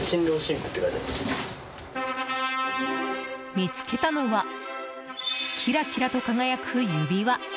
見つけたのはキラキラと輝く指輪。